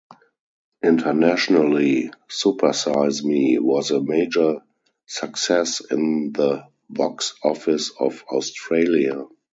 Internationally, "Super Size Me" was a major success in the box office of Australia.